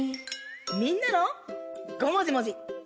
みんなの「ごもじもじ」。